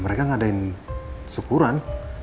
ya mereka ngadain syukuran